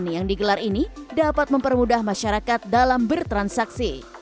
yang digelar ini dapat mempermudah masyarakat dalam bertransaksi